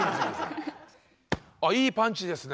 あいいパンチですね。